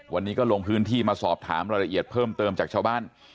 วันนี้ก็ลงพื้นที่มาสอบถามรายละเอียดเพิ่มเติมจากชาวบ้าน